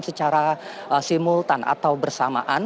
secara simultan atau bersamaan